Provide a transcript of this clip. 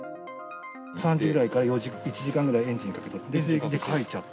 ３時ぐらいから１時間ぐらい、エンジンかけとった。